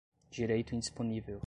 direito indisponível